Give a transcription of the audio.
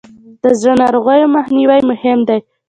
د زړه ناروغیو مخنیوی مهم دی.